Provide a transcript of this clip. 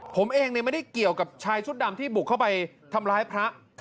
ผมเองไม่ได้เกี่ยวกับชายชุดดำที่บุกเข้าไปทำร้ายพระ